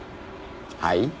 はい？